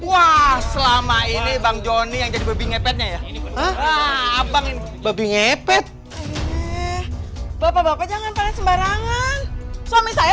waaah selama ini bang johnny yang jadi lebih ngepetnya ya